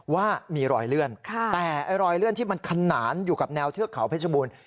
ว่ามีรอยเลื่อนแต่รอยเลื่อนที่มันขนานอยู่กับแนวเทือกเขาเพชรบูรณ์